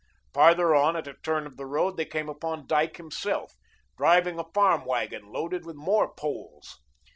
Farther on at a turn of the road, they came upon Dyke himself, driving a farm wagon loaded with more poles.